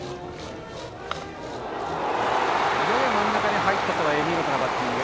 真ん中に入ったとはいえ見事なバッティング。